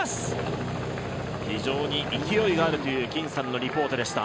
非常に勢いがあるという金さんのリポートでした。